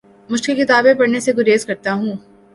مشکل کتابیں پڑھنے سے گریز کرتا ہوں